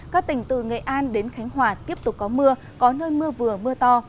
các tỉnh từ nghệ an đến khánh hòa tiếp tục có mưa có nơi mưa vừa mưa to